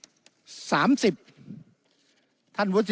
วุฒิสภาจะเขียนไว้ในข้อที่๓๐